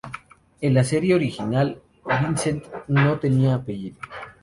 En la serie original, Vincent no tenía apellido.